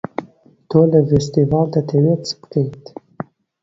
تۆ لە فێستیڤاڵ دەتەوێ چ بکەی؟